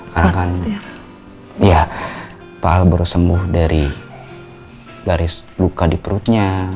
karena pak al baru sembuh dari garis luka di perutnya